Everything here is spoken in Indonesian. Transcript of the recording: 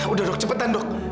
udah dok cepetan dok